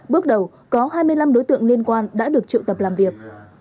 bước đầu có hai mươi năm đối tượng liên quan đã được triệu tập làm việc